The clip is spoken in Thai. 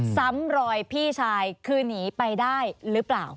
ซ้ำรอยพี่ชายคือหนีไปได้หรือเปล่า